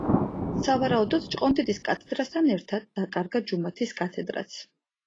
სავარაუდოდ ჭყონდიდის კათედრასთან ერთად დაკარგა ჯუმათის კათედრაც.